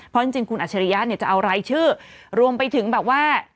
เพราะจริงคุณอัจฉริยะเนี่ยจะเอารายชื่อรวมไปถึงแบบว่า